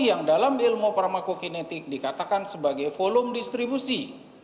yang dalam ilmu pramakokinetik dikatakan sebagai volume distribusi